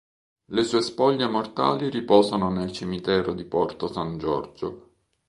Le sue spoglie mortali riposano nel cimitero di Porto San Giorgio.